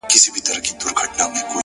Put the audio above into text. دا څه ليونى دی بيـا يـې وويـل;